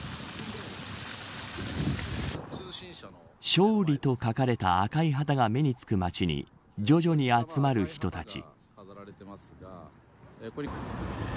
勝利と書かれた赤い旗が目につく街に徐々に集まる人たち。